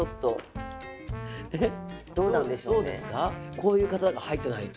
こういう方が入ってないと。